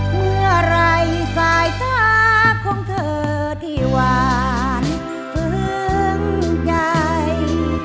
เมื่อไรสายตาของเธอที่หวานเพิ่งใจ